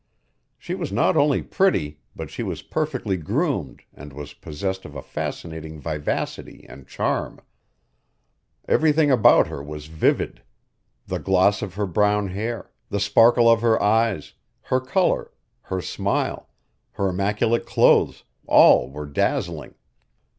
She was not only pretty but she was perfectly groomed and was possessed of a fascinating vivacity and charm. Everything about her was vivid: the gloss of her brown hair, the sparkle of her eyes, her color, her smile, her immaculate clothes all were dazzling.